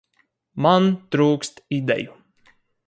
Man trūkst ideju.